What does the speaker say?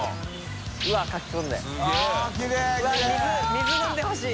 水飲んでほしい！